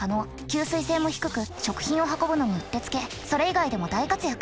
吸水性も低く食品を運ぶのにうってつけそれ以外でも大活躍。